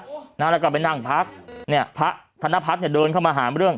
โอ้โหแล้วกลับไปนั่งพักเนี่ยพระธนภัทรเนี่ยเดินเข้ามาหาเรื่อง